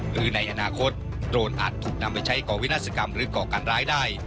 หรือในอนาคตโดรนอาจถูกนำไปใช้ก่อวินาศกรรมหรือก่อการร้ายได้